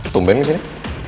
tumpen gak sih